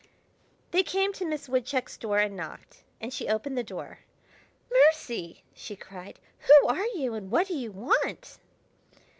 They came to Miss Woodchuck's door and knocked, and she opened the door. "Mercy!" she cried. "Who are you, and what do you want?"